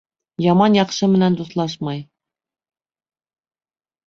Яман яҡшы менән дуҫлашмай.